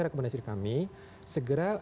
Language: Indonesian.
rekomendasi kami segera